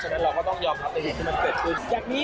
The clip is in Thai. ฉะนั้นเราก็ต้องยอมรับใจให้มันเกิดขึ้น